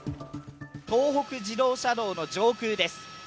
東北自動車道の上空です。